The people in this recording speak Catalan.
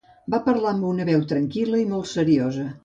Va parlar amb una veu tranquil·la i molt seriosa.